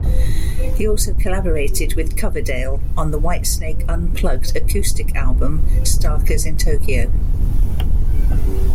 He also collaborated with Coverdale on the Whitesnake unplugged acoustic album, "Starkers in Tokyo".